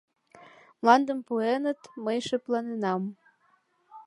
Мландым пуэныт, мый шыпланенам.